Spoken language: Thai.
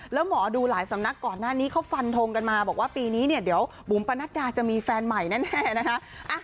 แล้วหมอดูหลายสำนักก่อนหน้านี้เขาฟันทงกันมาบอกว่าปีนี้เนี่ยเดี๋ยวบุ๋มปะนัดดาจะมีแฟนใหม่แน่นะคะ